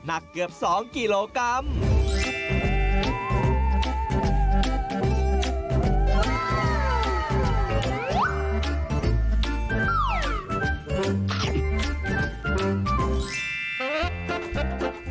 หนักเกือบ๒กิโลกรัม